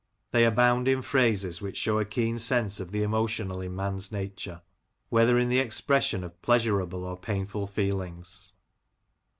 They abound in phrases which show a keen sense of the emotional in man*s nature, whether in the expression of pleasurable or painful feelings.